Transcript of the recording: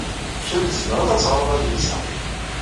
Kemm tzemreḍ ad teɣred adlis-a.